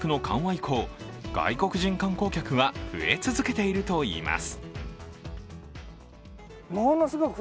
以降外国人観光客が増え続けているといいます。